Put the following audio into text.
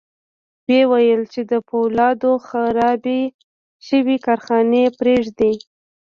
ويې ويل چې د پولادو خرابې شوې کارخانې پرېږدي.